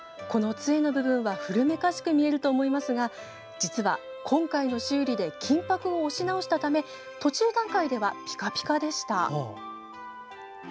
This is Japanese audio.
この杖の部分は古めかしく見えると思いますが実は、今回の修理で金箔を押し直したため途中段階ではピカピカでした。